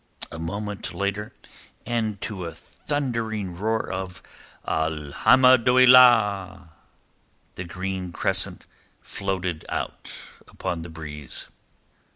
A moment later and to a thundering roar of "Al hamdolliah!" the green crescent floated out upon the breeze.